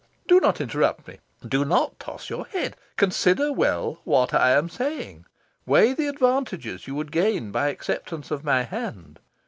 Do not interrupt me. Do not toss your head. Consider well what I am saying. Weigh the advantages you would gain by acceptance of my hand.